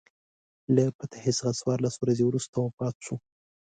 له فتحې څخه څوارلس ورځې وروسته وفات شو.